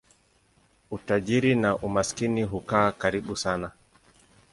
Utajiri na umaskini hukaa karibu sana.